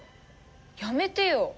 やめてよ。